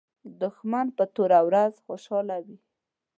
دښمن په توره ورځ خوشاله وي